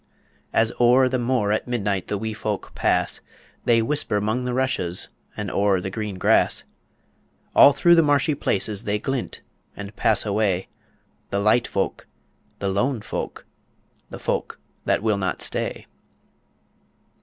As o'er the moor at midnight The wee folk pass, They whisper 'mong the rushes And o'er the green grass; All through the marshy places They glint and pass away The light folk, the lone folk, the folk that will not stay.